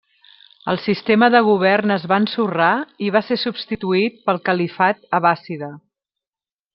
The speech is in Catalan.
El sistema de govern es va ensorrar i va ser substituït pel califat abbàssida.